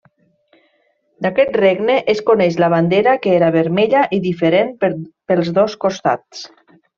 D'aquest regne es coneix la bandera que era vermella i diferent pels dos costats.